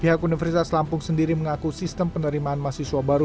pihak universitas lampung sendiri mengaku sistem penerimaan mahasiswa baru